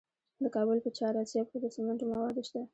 د کابل په چهار اسیاب کې د سمنټو مواد شته.